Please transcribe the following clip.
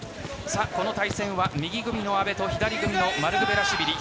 この対戦は右組みの阿部と左組みのマルクベラシュビリ。